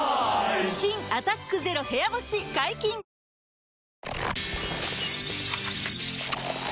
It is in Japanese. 新「アタックＺＥＲＯ部屋干し」解禁‼ＣｏｍｅＯｎ！